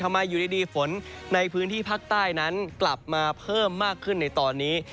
ทำไมอยู่ที่ดีฝนในพื้นที่ภาคใต้กลับมาเพิ่มมากขึ้นในตอนนี้